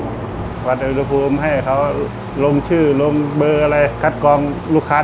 สวัสดีครับผมชื่อสามารถชานุบาลชื่อเล่นว่าขิงถ่ายหนังสุ่นแห่ง